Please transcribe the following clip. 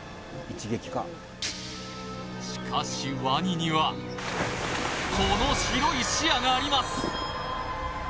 しかしワニにはこの広い視野があります